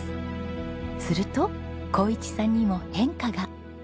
すると紘一さんにも変化が。